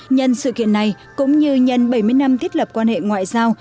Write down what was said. nhân sự kiện này cũng như nhân bảy mươi năm thiết lập quan hệ ngoại giao